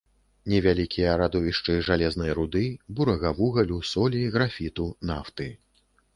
Невялікія радовішчы жалезнай руды, бурага вугалю, солі, графіту, нафты.